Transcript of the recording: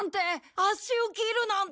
足を切るなんて。